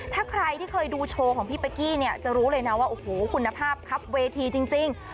ถ้าใครที่เคยดูโชว์ของพี่เป๊กกี้เนี่ยจะรู้เลยนะว่าโอ้โหคุณภาพครับเวทีจริง